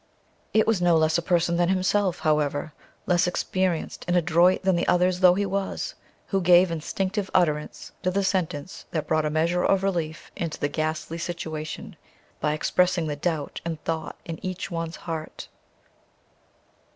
It was no less a person than himself, however less experienced and adroit than the others though he was who gave instinctive utterance to the sentence that brought a measure of relief into the ghastly situation by expressing the doubt and thought in each one's heart.